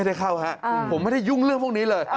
ได้เข้าฮะผมไม่ได้ยุ่งเรื่องพวกนี้เลย